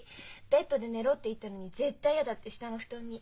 ベッドで寝ろって言ったのに絶対嫌だって下の布団に。